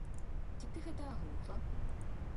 Ці ты гэта аглухла?